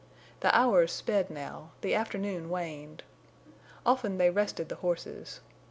The hours sped now; the afternoon waned. Often they rested the horses.